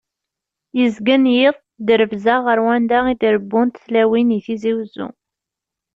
Yezgen yiḍ drebzeɣ ɣer wanda i d-rebbunt tlawin di Tizi Wezzu.